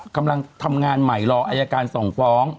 กำลังทำงานใหม่รออายการส่งฟ้อง